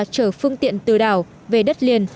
chở phương tiện từ đảo về đất liền